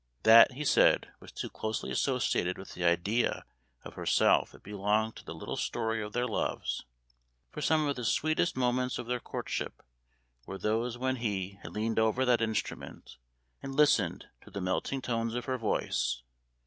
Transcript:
That, he said, was too closely associated with the idea of herself it belonged to the little story of their loves; for some of the sweetest moments of their courtship were those when he had leaned over that instrument, and listened to the melting tones of her voice.